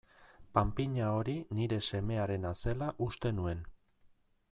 Panpina hori nire semearena zela uste nuen.